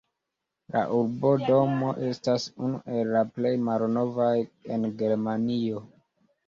La urbodomo estas unu el la plej malnovaj en Germanio.